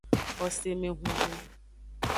Xosemehunhun.